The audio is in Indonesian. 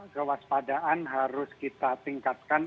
kewas padaan harus kita tingkatkan